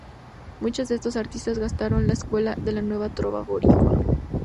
Muchos de estos artistas gestaron la escuela de la nueva trova boricua.